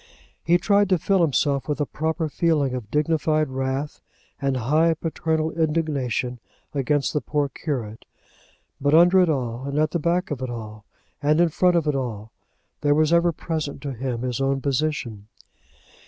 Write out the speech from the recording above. He tried to fill himself with a proper feeling of dignified wrath and high paternal indignation against the poor curate; but under it all, and at the back of it all, and in front of it all, there was ever present to him his own position.